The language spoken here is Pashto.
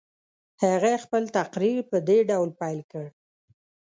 هغه خپل تقریر په دې ډول پیل کړ.